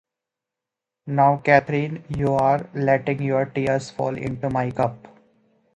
Now, Catherine, you are letting your tears fall into my cup.